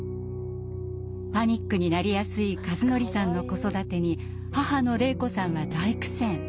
パニックになりやすい一法さんの子育てに母の礼子さんは大苦戦。